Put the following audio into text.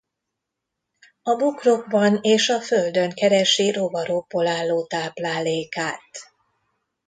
A bokrokban és a földön keresi rovarokból álló táplálékát.